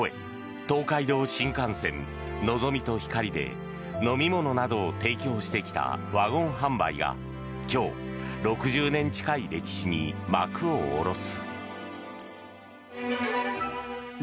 東海道新幹線のぞみとひかりで飲み物などを提供してきたワゴン販売が今日、６０年近い歴史に幕を下ろす。